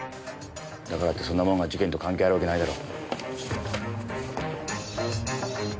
だからってそんなものが事件と関係あるわけないだろ。